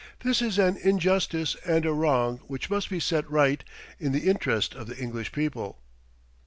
This is an injustice and a wrong which must be set right, in the interest of the English people."